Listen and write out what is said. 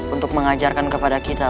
untuk mengajarkan kepada kita